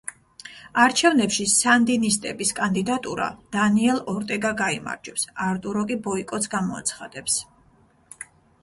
არჩევნებში სანდინისტების კანდიდატურა, დანიელ ორტეგა გაიმარჯვებს, არტურო კი ბოიკოტს გამოაცხადებს.